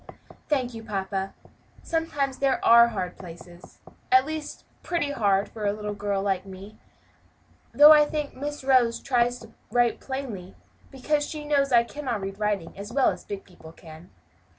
"Thank you, papa; sometimes there are hard places at least pretty hard for a little girl like me though I think Miss Rose tries to write plainly because she knows that I cannot read writing as well as big people can."